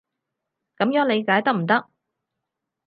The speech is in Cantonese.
噉樣理解得唔得？